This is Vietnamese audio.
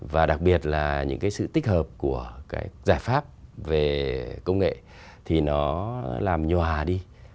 và đặc biệt là những cái sự tích hợp của cái giải pháp về công nghệ thì nó làm nhòa đi